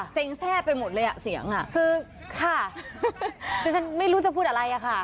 แทร่ไปหมดเลยอ่ะเสียงอ่ะคือค่ะคือฉันไม่รู้จะพูดอะไรอะค่ะ